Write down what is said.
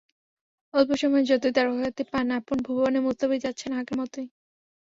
অল্প সময়ে যতই তারকাখ্যাতি পান, আপন ভুবনে মুস্তাফিজ আছেন আগের মতোই।